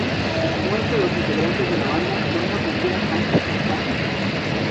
Muestra a los integrantes de la banda con una postura casi estática.